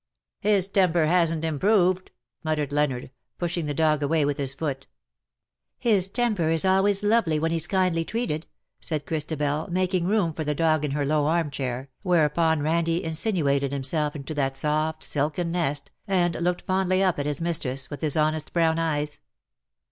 " His temper hasn't improved," muttered Leonard^ pushing the dog away with his foot. 62 ^^ LOVE WILL HAVE HIS DAY." '^ His temper is always lovely when lie's kindly treated/' said Christabelj making room for the dog in her low armchair, whereupon Eandie insinuated himself into that soft silken nest, and looked fondly up at his mistress with his honest brown eyes.